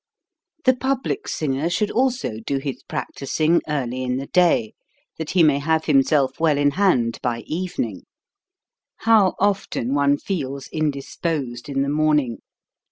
The public singer should also do his prac tising early in the day, that he may have himself well in hand by evening. How often one feels indisposed in the morning